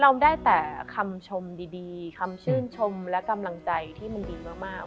เราได้แต่คำชมดีคำชื่นชมและกำลังใจที่มันดีมาก